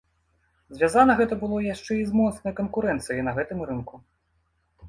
Звязана гэта было яшчэ і з моцнай канкурэнцыяй на гэтым рынку.